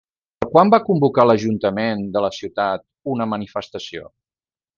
Per quan va convocar l'ajuntament de la ciutat una manifestació?